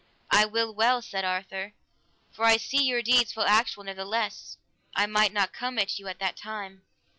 I will well, said Arthur, for I see your deeds full actual; nevertheless, I might not come at you at that time.